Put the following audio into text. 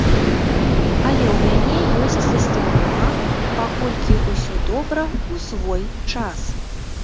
Але ў мяне ёсць засцярога, паколькі ўсё добра ў свой час.